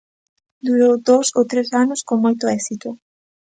Durou dous ou tres anos con moito éxito.